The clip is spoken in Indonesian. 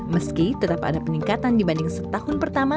meski tetap ada peningkatan dibanding setahun pertama